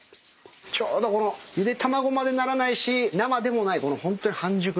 ちょうどこのゆで卵までならないし生でもないこのホントに半熟の。